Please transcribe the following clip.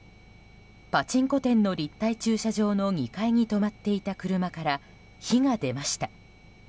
パチンコ店の立体駐車場の２階に止まっていた車から火が出ました。